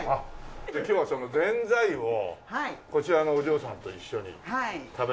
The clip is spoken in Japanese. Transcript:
じゃあ今日はそのぜんざいをこちらのお嬢さんと一緒に食べたいなというね。